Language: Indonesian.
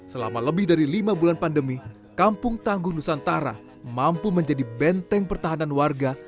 selama lebih dari lima bulan pandemi kampung tangguh nusantara mampu menjadi benteng pertahanan warga